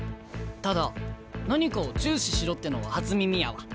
ただ何かを注視しろってのは初耳やわ。